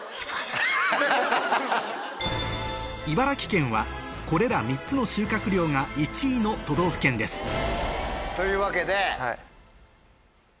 茨城県はこれら３つの収穫量が１位の都道府県ですというわけで。